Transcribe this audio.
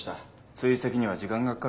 追跡には時間がかかるかと。